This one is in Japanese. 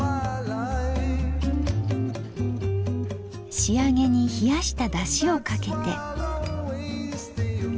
仕上げに冷やしただしをかけて。